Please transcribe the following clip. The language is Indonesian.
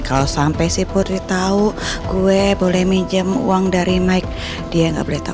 kalau sampai si putri tahu gue boleh minjam uang dari naik dia nggak boleh tahu